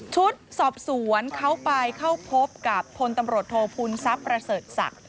ชุดสอบสวนเขาไปเข้าพบกับพลตำรวจโทพูนทรัพย์ประเสริฐศักดิ์